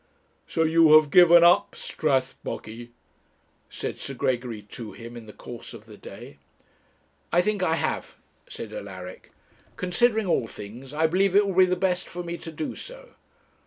'So you have given up Strathbogy?' said Sir Gregory to him, in the course of the day. 'I think I have,' said Alaric; 'considering all things, I believe it will be the best for me to do so.'